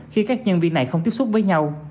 khi các nhân viên này không tiếp xúc với nhau